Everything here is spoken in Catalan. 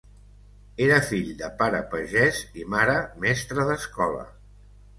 Era fill de pare pagès i mare mestra d'escola.